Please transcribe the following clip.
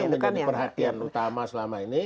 yang menjadi perhatian utama selama ini